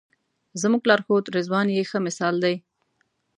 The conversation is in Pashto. زموږ لارښود رضوان یې ښه مثال دی.